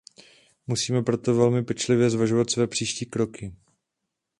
Musíme proto velmi pečlivě zvažovat své příští kroky.